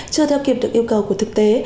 chưa theo kiệp được yêu cầu của thực tế